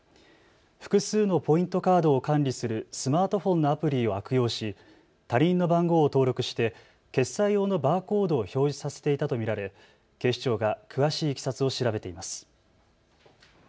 複数のポイントカードを管理するスマートフォンのアプリを悪用し他人の番号を登録して決済用のバーコードを表示させていたと見られ警視庁が詳しいいきさつを調べています。